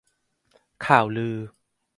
ข่าวลือ